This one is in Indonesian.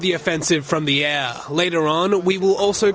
lepas itu kami juga akan datang dari tanah